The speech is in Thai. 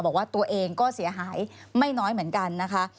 บอกว่าตัวเองก็เสียหายไม่น้อยเหมือนกันนะคะ